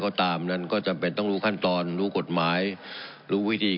ก็ตามนั้นก็จำเป็นต้องรู้ขั้นตอนรู้กฎหมายรู้วิธี